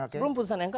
sebelum putusan mk